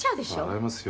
「笑いますよ」